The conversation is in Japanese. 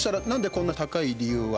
こんな高い理由は。